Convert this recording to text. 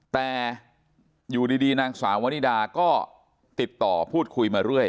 แต่อยู่ดีนางสาววนิดาก็ติดต่อพูดคุยมาเรื่อย